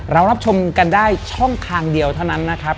รับชมกันได้ช่องทางเดียวเท่านั้นนะครับ